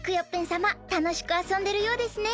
さまたのしくあそんでるようですね。